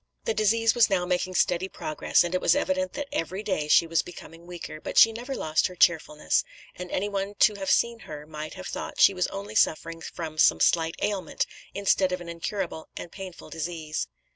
"The disease was now making steady progress, and it was evident that every day she was becoming weaker; but she never lost her cheerfulness, and anyone to have seen her might have thought she was only suffering from some slight ailment, instead of an incurable and painful disease."